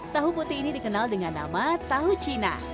tahu putih ini dikenal dengan nama tahu cina